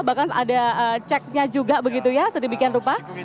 bahkan ada ceknya juga begitu ya sedemikian rupa